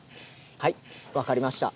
はい分かりました。